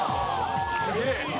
すげえ。